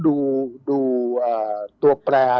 ดูตัวแปร